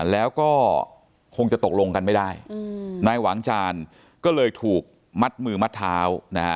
แล้วก็คงจะตกลงกันไม่ได้นายหวังจานก็เลยถูกมัดมือมัดเท้านะฮะ